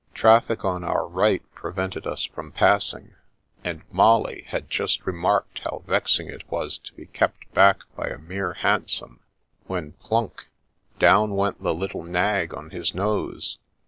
Traffic on our right pre vented us from passing, and Molly had just re marked how vexing it was to be kept back by a mere hansom, when plunk ! down went the little nag on his nose.